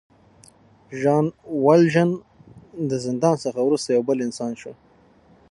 ژان والژان د زندان څخه وروسته یو بل انسان شو.